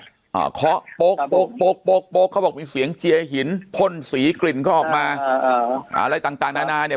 อ่าเขาบอกมีเสียงเจียหินพ่นสีกลิ่นเขาออกมาอ่าอะไรต่างต่างนานาเนี่ย